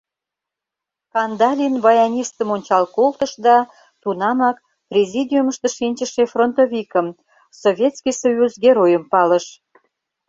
Кандалин баянистым ончал колтыш да тунамак президиумышто шинчыше фронтовикым — Советский Союз Геройым палыш.